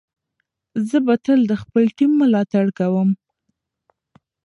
زه به تل د خپل ټیم ملاتړ کوم.